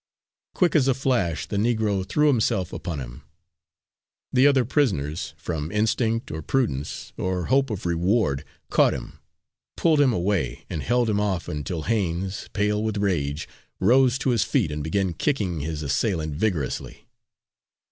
Quick as a flash the Negro threw himself upon him. The other prisoners, from instinct, or prudence, or hope of reward, caught him, pulled him away and held him off until Haines, pale with rage, rose to his feet and began kicking his assailant vigorously.